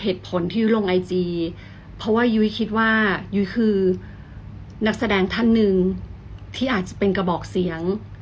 เหตุผลที่วิวลงไอจี